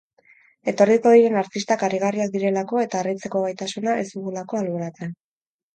Etorriko diren artistak harrigarriak direlako eta harritzeko gaitasuna ez dugulako alboratzen.